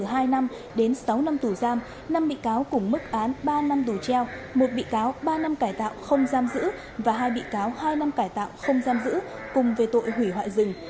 từ hai năm đến sáu năm tù giam năm bị cáo cùng mức án ba năm tù treo một bị cáo ba năm cải tạo không giam giữ và hai bị cáo hai năm cải tạo không giam giữ cùng về tội hủy hoại rừng